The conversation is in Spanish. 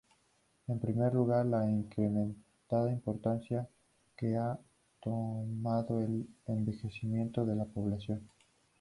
En primer lugar, la incrementada importancia que ha tomado el envejecimiento de la población.